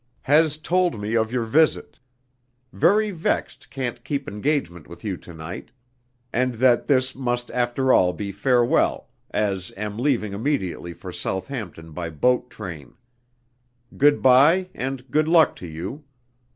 Has told me of your visit. Very vexed can't keep engagement with you to night, and that this must after all be farewell, as am leaving immediately for Southampton by boat train. Good bye and good luck to you.